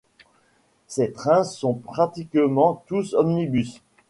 Ces trains sont pratiquement tous omnibus.